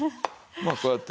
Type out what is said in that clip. まあこうやって。